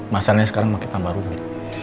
masalahnya sekarang makin tambah rumit